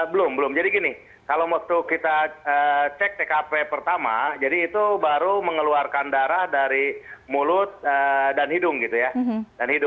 belum belum jadi gini kalau waktu kita cek tkp pertama jadi itu baru mengeluarkan darah dari mulut dan hidung gitu ya